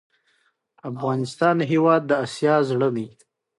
پلورونکی په دې وخت کې خپل توکي له لاسه ورکوي